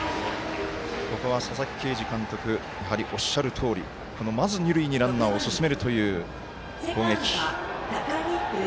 ここは佐々木啓司監督やはりおっしゃるとおりまず二塁にランナーを進めるという攻撃。